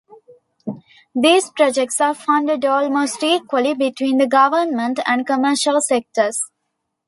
These projects are funded almost equally between the government and commercial sectors.